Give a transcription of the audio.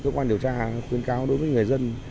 cơ quan điều tra khuyên cáo đối với người dân